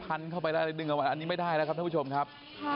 อันนี้ไม่ได้แล้วท่านผู้ชมครับ